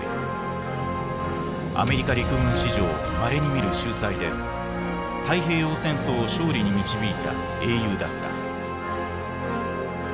アメリカ陸軍史上まれに見る秀才で太平洋戦争を勝利に導いた英雄だった。